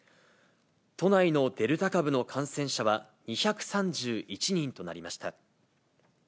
都内のデルタ株の感染者は２３１人となりました。